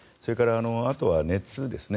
あとは熱ですね。